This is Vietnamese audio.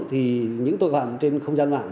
thì những tội phạm trên không gian mạng